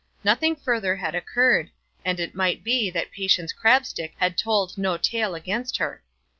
Nothing further had occurred, and it might be that Patience Crabstick had told no tale against her.